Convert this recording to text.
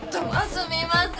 すみません。